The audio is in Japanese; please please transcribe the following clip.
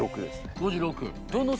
５６。